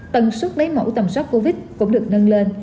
tần suất lấy mẫu tầm soát covid cũng được nâng lên